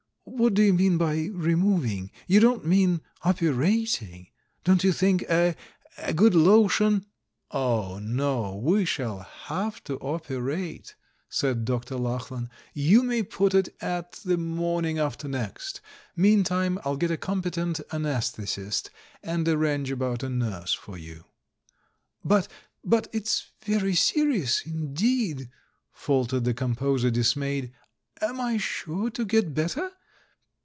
"What do you mean by 'removing' — you don't mean 'op erating'? Don't you think a — a good lotion 330 THE MAN WHO UNDERSTOOD WOMEN "Oh, no, we shall have to operate," said Dr. Lachlan. "You may put it at the morning after next. Meantime, I'll get a competent anaesthet ist, and arrange about a nurse for you." "But — but it's very serious indeed," faltered the composer, dismayed. "Am I sure to get bet ter?